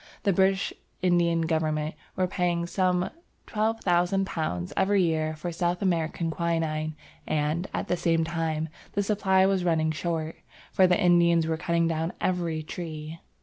The British Indian government were paying some £12,000 every year for South American quinine and, at the same time, the supply was running short, for the Indians were cutting down every tree.